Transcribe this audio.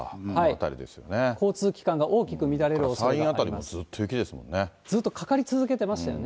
交通機関が大きく乱れるおそ山陰辺りもずっと雪ですもんずっとかかり続けてましたよね。